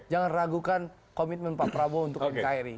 jangan ragukan komitmen pak prabowo untuk nkri